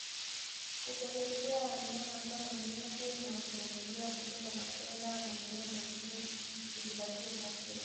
Hupelekea wanyama kama nyumbu na pundamilia kutoka na kuenda maeneo mengine kujipatia chakula